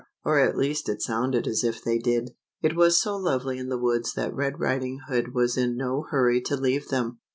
or at least it sounded as if they did. It was so lovely in the woods that Red Riding Hood was in no hurry to leave them.